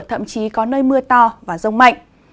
thậm chí có nơi mưa to và rông mạnh